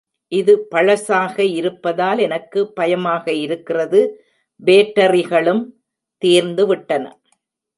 இது பழசாக இருப்பதால் எனக்கு பயமாக இருக்கிறது - பேட்டரிகளும் தீர்ந்துவிட்டன.